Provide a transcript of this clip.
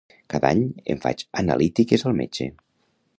Cada any, em faig analítiques al metge.